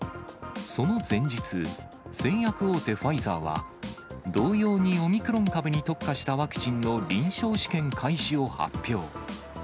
その前日、製薬大手、ファイザーは同様にオミクロン株に特化したワクチンの臨床試験開始を発表。